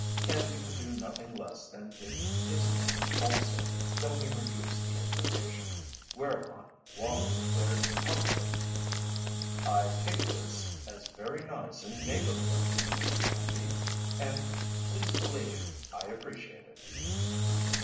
Canby could do nothing less than give his name also, though he refused the invitation. Whereupon Wallie declared heartily: "I take this as very nice and neighbourly of you, Mr. Canby, and please believe I appreciate it!"